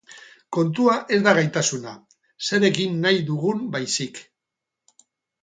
Kontua ez da gaitasuna, zer egin nahi dugun baizik.